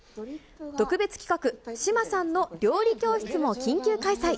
特別企画、志麻さんの料理教室も緊急開催。